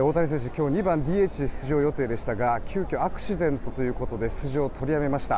今日、２番ＤＨで出場予定でしたが急きょアクシデントということで出場を取りやめました。